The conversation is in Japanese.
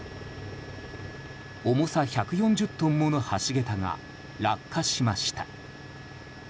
重さ１４０トンもの橋桁が落下しました。